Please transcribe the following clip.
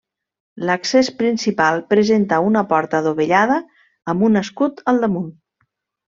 L'accés principal presenta una porta dovellada amb un escut al damunt.